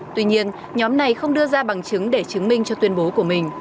tuy nhiên nhóm này không đưa ra bằng chứng để chứng minh cho tuyên bố của mình